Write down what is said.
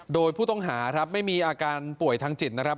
โดยผู้ต้องหาครับไม่มีอาการป่วยทางจิตนะครับ